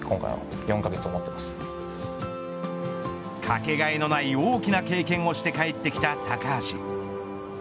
かけがえのない大きな経験をして帰ってきた高橋。